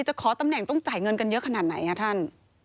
จะขอตำแหน่งต้องจ่ายเงินกันเยอะขนาดไหนคะท่าน